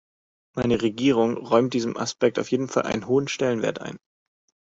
Meine Regierung räumt diesem Aspekt auf jeden Fall einen hohen Stellenwert ein.